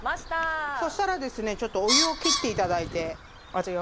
そしたらですねちょっとお湯をきっていただいて。